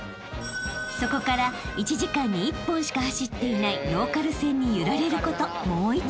［そこから１時間に１本しか走っていないローカル線に揺られることもう１時間］